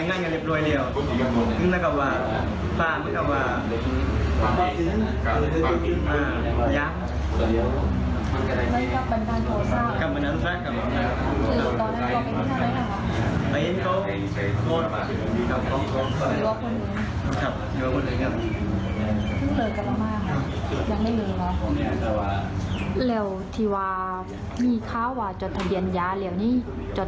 อันนี้ลาวไทยไหมครับยังไม่เหลือเหรอแล้วที่ว่ามีข้าวก็จดทะเบียนยาแล้วไหมครับ